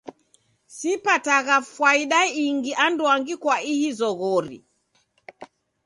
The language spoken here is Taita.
Sipatagha fwaida ingi anduangi kwa ihi zoghori.